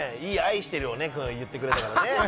愛してるよ言ってくれたからね。